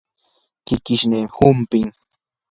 kikishniimi humpin.